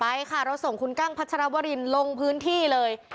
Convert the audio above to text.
ไปค่ะเราส่งคุณกั้งพัชรวรินลงพื้นที่เลย